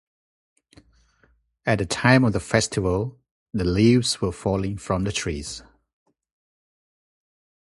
At the time of the festival, the leaves were falling from the trees.